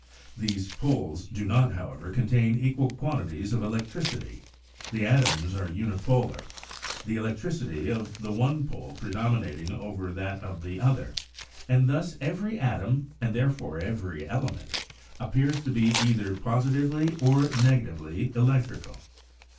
These poles do not, however, contain equal quantities of electricity. The atoms are unipolar, the electricity of the one pole pre dominating over that of the other; and thus every atom 210 CHEMISTRY (and therefore every element) appears L o be either posi tively or negatively electrical.